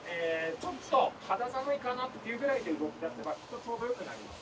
ちょっと肌寒いかなっていうぐらいで動きだせばきっとちょうどよくなります。